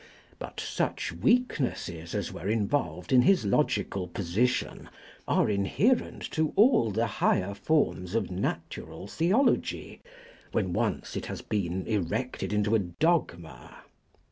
But such weaknesses as were involved in his logical position are inherent to all the higher forms of natural theology when once it has been erected into a dogma.